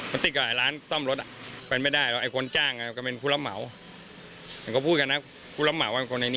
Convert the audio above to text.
มันติดกับร้านซ่อมรถเป็นไม่ได้ไอ้คนจ้างก็เป็นคุณรับเหมา